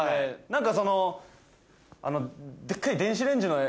何かその。